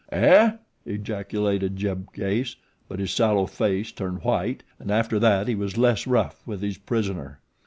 "Eh?" ejaculated Jeb Case; but his sallow face turned white, and after that he was less rough with his prisoner.